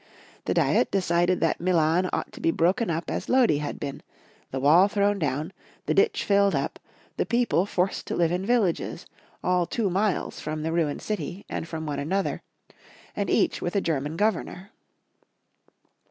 The diet decided that Milan ought to be broken up as Lodi had been, the wall thrown down, the ditch filled up, the people forced to live in villages, all two miles from the ruined city and from one another, and each with a German governor.